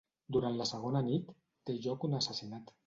Durant la segona nit té lloc un assassinat.